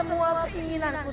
sebelum semua keinginanku terwujud